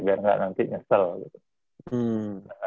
biar nggak nanti nyesel gitu